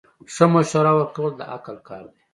ښه مشوره ورکول د عقل کار دی.